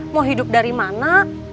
mau hidup dari mana